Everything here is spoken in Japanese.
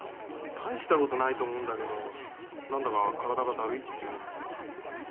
大したことないと思うんだけど何だか体がだるいって言うもんだから。